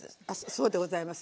そうでございます。